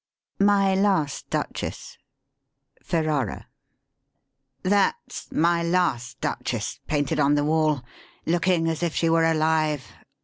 MY LAST DUCHESS PERRARA " That's my last Duchess painted on the wall, Looking as if she were alive.